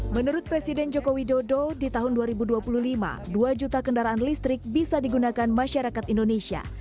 menurut presiden joko widodo di tahun dua ribu dua puluh lima dua juta kendaraan listrik bisa digunakan masyarakat indonesia